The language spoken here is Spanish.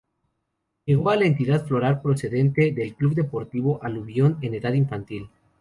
Llegó a la entidad foral procedente del Club Deportivo Aluvión en edad infantil.